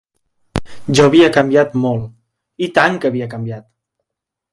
Jo havia canviat molt (I tant que havia canviat!).